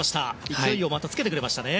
勢いをまた、つけてくれましたね。